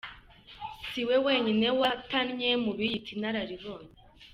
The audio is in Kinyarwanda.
Si we wenyine watannye mu biyita inararibonye.